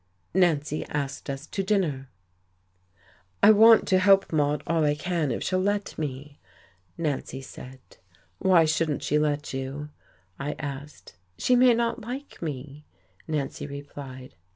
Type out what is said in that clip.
Nancy asked us to dinner. "I want to help Maude all I can, if she'll let me," Nancy said. "Why shouldn't she let you?" I asked. "She may not like me," Nancy replied.